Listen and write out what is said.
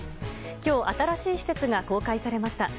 今日、新しい施設が公開されました。